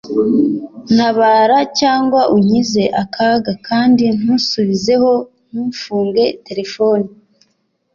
ntabara cyangwa unkize akaga kandi ntusubizeho ntufunge telefone